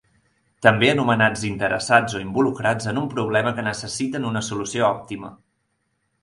També anomenats interessats o involucrats en un problema que necessiten una solució òptima.